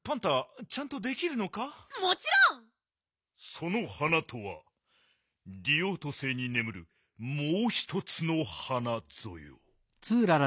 その花とはリオート星にねむるもうひとつの花ぞよ。